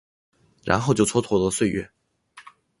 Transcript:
然后就蹉跎了岁月